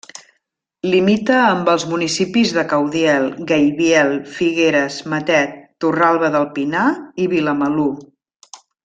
Limita amb els municipis de Caudiel, Gaibiel, Figueres, Matet, Torralba del Pinar i Vilamalur.